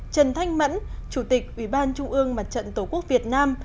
trần thanh mẫn chủ tịch ủy ban trung ương mặt trận tổ quốc việt nam